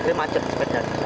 jadi macet sepeda